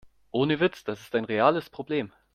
Ohne Witz, das ist ein reales Problem.